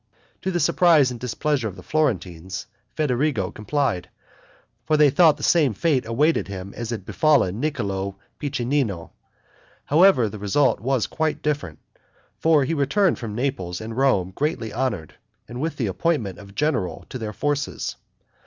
To the surprise and displeasure of the Florentines, Federigo complied; for they thought the same fate awaited him as had befallen Niccolo Piccinino. However, the result was quite different; for he returned from Naples and Rome greatly honored, and with the appointment of general to their forces.